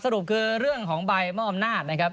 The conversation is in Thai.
สรุปคือเรื่องของใบมอบอำนาจนะครับ